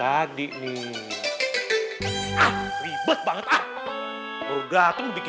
kalo mau kaget ke tadi